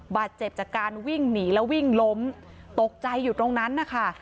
บาดเจ็บจากการวิ่งหนีแล้ววิ่งล้มตกใจอยู่ตรงนั้นนะคะ